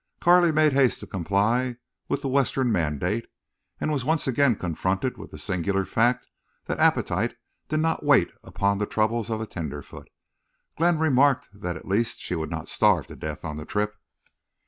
Carley made haste to comply with the Western mandate, and was once again confronted with the singular fact that appetite did not wait upon the troubles of a tenderfoot. Glenn remarked that at least she would not starve to death on the trip.